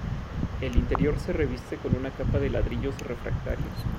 El interior se reviste con una capa de ladrillos refractarios.